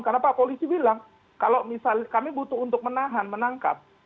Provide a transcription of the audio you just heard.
karena pak polisi bilang kalau misalnya kami butuh untuk menahan menangkap